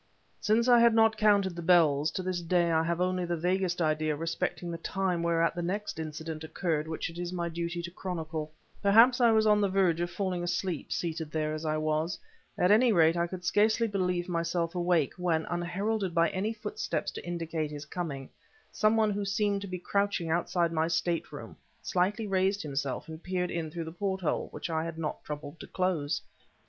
Since I had not counted the bells, to this day I have only the vaguest idea respecting the time whereat the next incident occurred which it is my duty to chronicle. Perhaps I was on the verge of falling asleep, seated there as I was; at any rate, I could scarcely believe myself awake, when, unheralded by any footsteps to indicate his coming, some one who seemed to be crouching outside my stateroom, slightly raised himself and peered in through the porthole which I had not troubled to close.